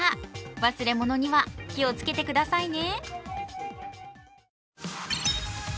忘れ物には気をつけてくださいね。